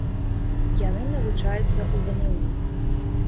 Яны навучаюцца ў вну.